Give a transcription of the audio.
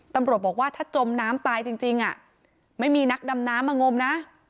ตำรวจบอกว่าถ้าจมน้ำตายจริงไม่มีนักดำน้ำมางมนะ